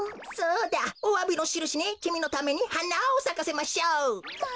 そうだおわびのしるしにきみのためにはなをさかせましょう。